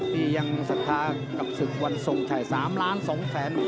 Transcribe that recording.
นี่ยังศรัทธากับศึกวันทรงชัย๓ล้าน๒แสน